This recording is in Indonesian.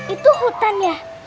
itu hutan ya